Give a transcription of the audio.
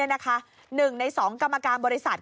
หนึ่งใน๒กรรมการบริษัท